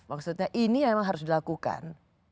maksudnya ini memang harus dilakukan